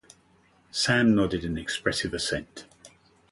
Sam nodded an expressive assent.